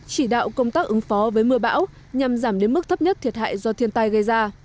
chỉ đạo công tác ứng phó với mưa bão nhằm giảm đến mức thấp nhất thiệt hại do thiên tai gây ra